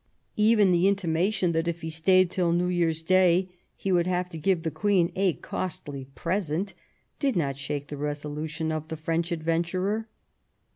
Even the intimation that, if he stayed till New Years Day, he would have to give the Queen a costly present did not shake the resolution of the French adventurer.